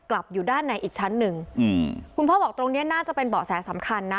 อยู่ด้านในอีกชั้นหนึ่งอืมคุณพ่อบอกตรงเนี้ยน่าจะเป็นเบาะแสสำคัญนะ